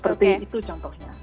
seperti itu contohnya